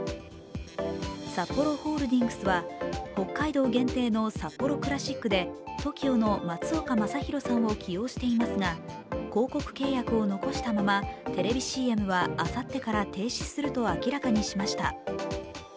サッポロホールディングスは北海道限定のサッポロクラシックでＴＯＫＩＯの松岡昌宏さんを起用していますが広告契約を残したままテレビＣＭはあさってから停止すると明らかにしました。